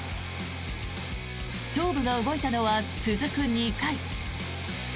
勝負が動いたのは続く２回。